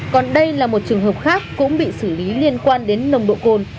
còn đây là một trường hợp khác cũng bị xử lý liên quan đến nồng độ cồn